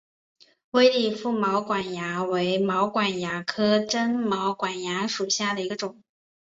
微粒腹毛管蚜为毛管蚜科真毛管蚜属下的一个种。